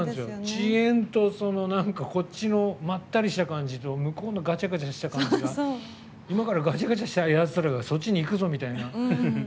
遅延と、こっちのまったりした感じと向こうのガチャガチャした感じが今からガチャガチャしたやつらがそっち行くぞみたいな。